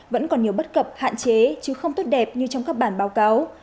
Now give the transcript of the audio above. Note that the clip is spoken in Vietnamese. vẫn còn nhiều bất cập hạn chế chứ không tốt đẹp như trong các bản báo cáo